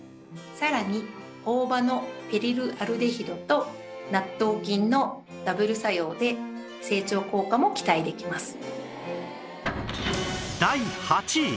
さらに大葉のペリルアルデヒドと納豆菌のダブル作用で整腸効果も期待できます。